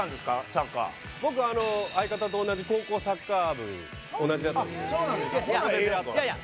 サッカー僕相方と同じ高校サッカー部同じだったんですいや